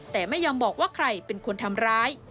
แต่ไม่ยอมบอกว่าใครเป็นคนทำร้าย